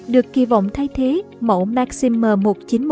được kỳ vọng thay thế mẫu maxim m một nghìn chín trăm một mươi